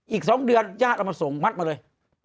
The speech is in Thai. อีก๒เดือนญาติเอามาส่งมัดมาเลย